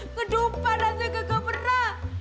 ngedumpan aja ke kamera